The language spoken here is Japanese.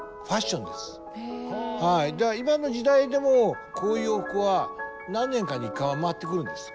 もう今の時代でもこういう服は何年かに一回は回ってくるんですよ。